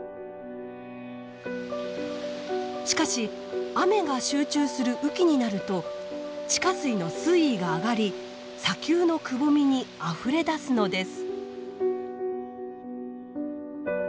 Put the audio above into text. しかし雨が集中する雨季になると地下水の水位が上がり砂丘のくぼみにあふれ出すのです。